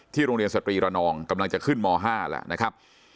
โรงเรียนสตรีระนองกำลังจะขึ้นม๕แล้วนะครับ